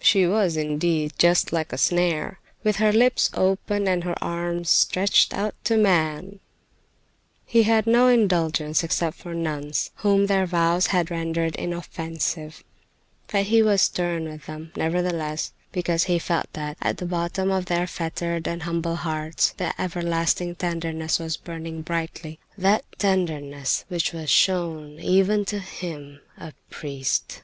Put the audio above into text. She was, indeed, just like a snare, with her lips open and her arms stretched out to man. He had no indulgence except for nuns, whom their vows had rendered inoffensive; but he was stern with them, nevertheless, because he felt that at the bottom of their fettered and humble hearts the everlasting tenderness was burning brightly—that tenderness which was shown even to him, a priest.